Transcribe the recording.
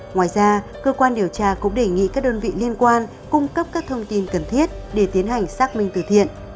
ngoài ra cơ quan điều tra cũng đề nghị các đơn vị liên quan cung cấp các thông tin cần thiết để tiến hành xác minh từ thiện